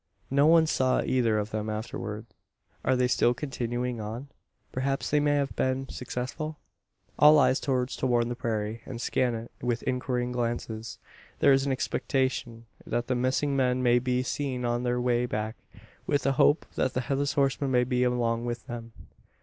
No one saw either of them afterward. Are they still continuing on? Perhaps they may have been successful? All eyes turn towards the prairie, and scan it with inquiring glances. There is an expectation that the missing men may be seen on their way back with a hope that the Headless Horseman may be along with them.